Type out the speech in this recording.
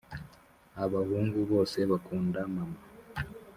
Abahungu bose bakunda mama.